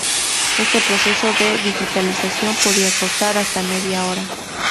Este proceso de digitalización podía costar hasta media hora.